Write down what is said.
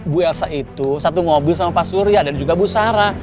bu elsa itu satu mobil sama pak surya dan juga bu sarah